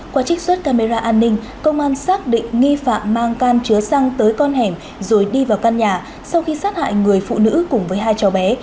qua trích xuất camera an ninh công an xác định nghi phạm mang can chứa xăng tới con hẻm rồi đi vào căn nhà sau khi sát hại người phụ nữ cùng với hai cháu bé